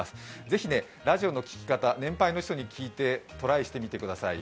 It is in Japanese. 是非ラジオの聞き方、年配の人に聞いてトライしてみてください。